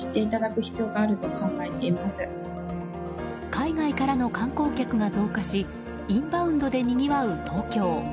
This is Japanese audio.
海外からの観光客が増加しインバウンドでにぎわう東京。